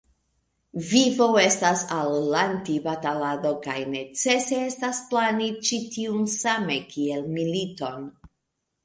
Vivo estas al Lanti batalado, kaj necese estas plani ĉi tiun same kiel militon.